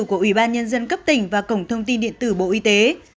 của ủy ban nhân dân cấp tỉnh và cổng thông tin điện tử bộ y tế